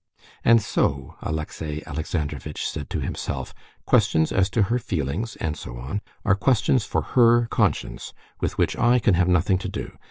"And so," Alexey Alexandrovitch said to himself, "questions as to her feelings, and so on, are questions for her conscience, with which I can have nothing to do.